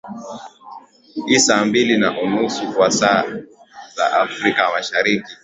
i saa mbili na nusu kwa saa za afrika mashariki